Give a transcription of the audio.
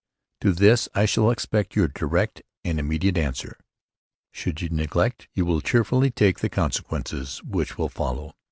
To this I shall expect Your direct and Immediate answer. Should you Neglect You will Cherefully take the Consequences which will follow.